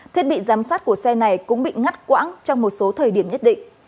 thiết bị giám sát của xe này cũng bị ngắt quãng trong một số thời điểm nhất định